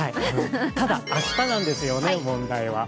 ただ、明日なんですよね問題は。